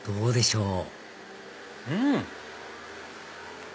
うん！